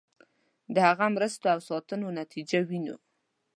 د هغه مرستو او ساتنو نتیجه وینو.